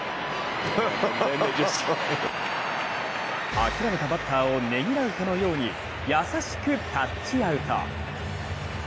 諦めたバッターをねぎらうようにやさしくタッチアウト。